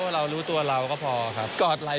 ใจอยากถ่ายกับลูกผู้ด้วยไหม